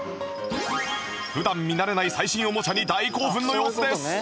普段見慣れない最新おもちゃに大興奮の様子です